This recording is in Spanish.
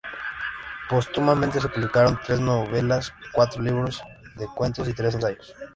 Póstumamente se publicaron tres novelas, cuatro libros de cuentos y tres ensayos.